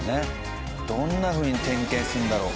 どんなふうに点検するんだろう？